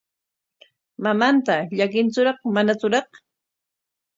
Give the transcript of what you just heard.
¿Mamanta llakintsuraq manatsuraq?